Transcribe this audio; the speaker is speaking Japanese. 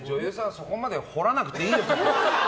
そこまで掘らなくていいですよ。